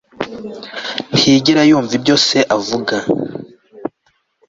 ntiyigera yumva ibyo se avuga